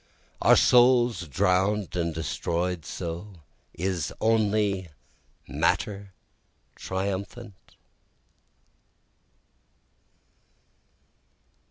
Are souls drown'd and destroy'd so? Is only matter triumphant?